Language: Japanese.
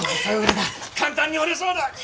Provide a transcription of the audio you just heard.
簡単に折れそうだ！